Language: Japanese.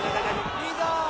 いいぞ！